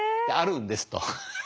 「あるんです」と。